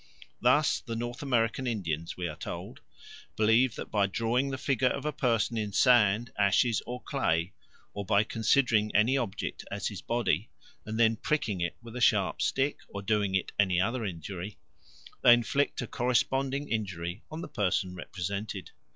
Thus the North American Indians, we are told, believe that by drawing the figure of a person in sand, ashes, or clay, or by considering any object as his body, and then pricking it with a sharp stick or doing it any other injury, they inflict a corresponding injury on the person represented.